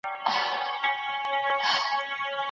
هغه توری چي زور لري باید نرم وویل سي.